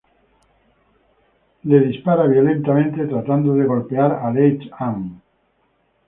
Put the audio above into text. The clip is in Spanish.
La dispara violentamente, tratando de golpear a Leigh Ann.